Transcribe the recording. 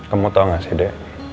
kamu tau gak sih de